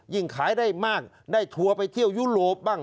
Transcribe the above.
ขายได้มากได้ทัวร์ไปเที่ยวยุโรปบ้าง